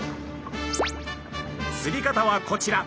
釣り方はこちら！